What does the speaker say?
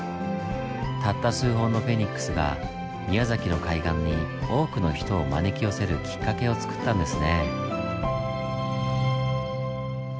たった数本のフェニックスが宮崎の海岸に多くの人を招き寄せるきっかけをつくったんですね。